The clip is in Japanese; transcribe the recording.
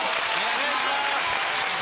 お願いします。